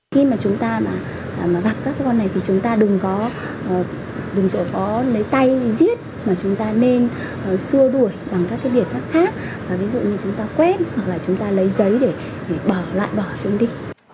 khi mà chúng ta gặp các con này thì chúng ta đừng có lấy tay giết mà chúng ta nên xua đuổi bằng các biện pháp khác ví dụ như chúng ta quét hoặc là chúng ta lấy giấy để loạn bỏ chúng đi